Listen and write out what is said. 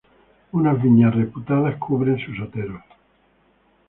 Unas viñas reputadas cubren sus oteros.